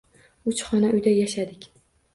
Uch xona uyda yashadik